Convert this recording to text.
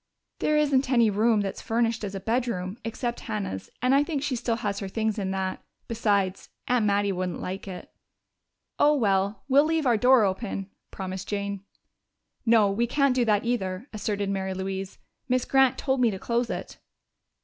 "There isn't any room that's furnished as a bedroom, except Hannah's, and I think she still has her things in that. Besides, Aunt Mattie wouldn't like it." "Oh, well, we'll leave our door open," promised Jane. "No, we can't do that either," asserted Mary Louise. "Miss Grant told me to close it."